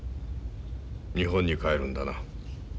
日本に帰るんだな。